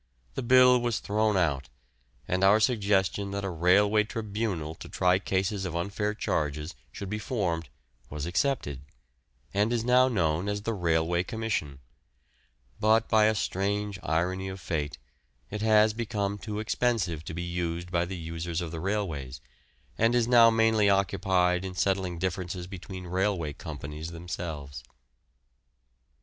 The bill was thrown out, and our suggestion that a railway tribunal to try cases of unfair charges should be formed was accepted, and is now known as the Railway Commission; but by a strange irony of fate, it has become too expensive to be used by the users of the railways, and is now mainly occupied in settling differences between railway companies themselves.